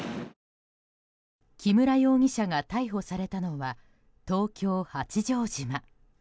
木村容疑者が逮捕されたのは東京・八丈島。